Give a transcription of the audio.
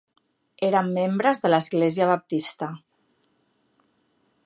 Eren membres de l'Església Baptista.